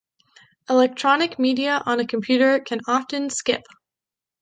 Electronic media on a computer can often skip.